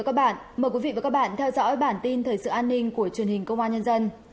xin chào các bạn mời quý vị và các bạn theo dõi bản tin thời sự an ninh của truyền hình công an nhân dân